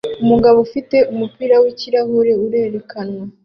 Umugabo ufite umupira wikirahure urerekanwa